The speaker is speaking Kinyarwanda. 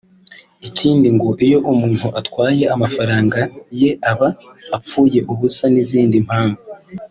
ikindi ngo iyo umuntu atarwaye amafaranga ye aba apfuye ubusa n’izindi mpamvu